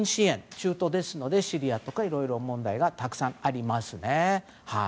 中東ですので、シリアなどいろいろ問題がたくさんありますね。